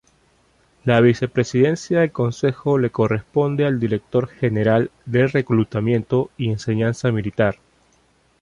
La vicepresidencia del Consejo le corresponde al Director General de Reclutamiento y Enseñanza Militar.